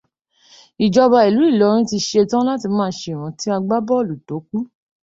Ìjọba ìlú Ìlọrin ti ṣetán látí má ṣèrántí agbábọ́ọ̀lù tó kú.